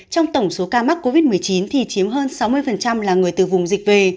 trong tổng số ca mắc covid một mươi chín thì chiếm hơn sáu mươi là người từ vùng dịch về